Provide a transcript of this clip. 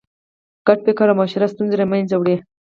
ګډ فکر او مشوره ستونزې له منځه وړي.